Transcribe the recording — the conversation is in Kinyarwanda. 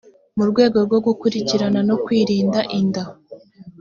mu rwego rwo gukurikirana no kwirinda inda